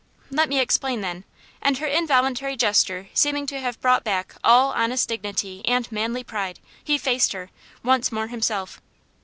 "Let me explain, then;" and her involuntary gesture seeming to have brought back all honest dignity and manly pride, he faced her, once more himself.